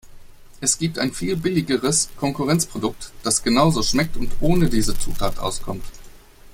Es gibt ein viel billigeres Konkurrenzprodukt, das genauso schmeckt und ohne diese Zutat auskommt.